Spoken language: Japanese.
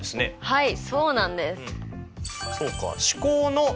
はい。